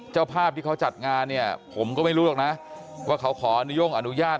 เจ้าภาพที่เขาจัดงานเนี่ยผมก็ไม่รู้ดอกนะเขาพานิโก่ออนุเยอร์